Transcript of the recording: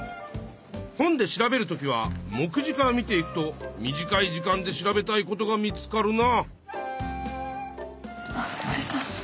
本で調べる時は目次から見ていくと短い時間で調べたいことが見つかるな。